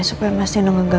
kemui makan dulu ya